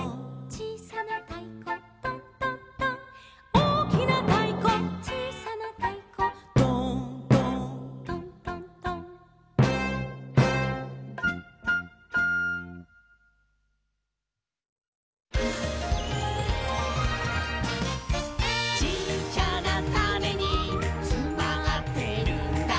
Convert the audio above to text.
「おおきなたいこちいさなたいこ」「ドーンドーントントントン」「ちっちゃなタネにつまってるんだ」